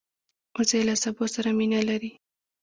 وزې له سبو سره مینه لري